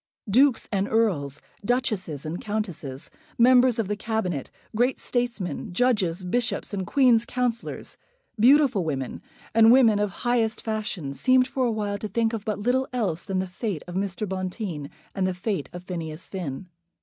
Dukes and Earls, Duchesses and Countesses, Members of the Cabinet, great statesmen, Judges, Bishops, and Queen's Counsellors, beautiful women, and women of highest fashion, seemed for a while to think of but little else than the fate of Mr. Bonteen and the fate of Phineas Finn.